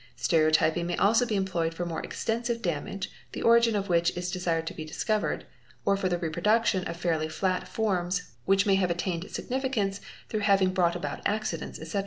Stereotyping may also be employed for hore extensive damage, the origin of which is desired to be discovered, or yr the reproduction of fairly flat forms which may have attained signi cance through having brought about accidents, etc.